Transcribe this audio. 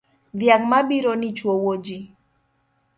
Dhiang' mabironi chwowoji.